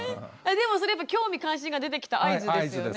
でもそれやっぱ興味関心が出てきた合図ですよね？